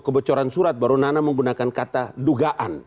kebocoran surat baru nana menggunakan kata dugaan